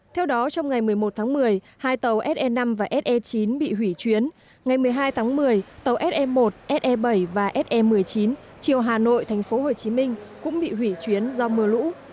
theo đó trong ngày một mươi một tháng một mươi hai tàu se năm và se chín bị hủy chuyến ngày một mươi hai tháng một mươi tàu se một se bảy và se một mươi chín chiều hà nội tp hcm cũng bị hủy chuyến do mưa lũ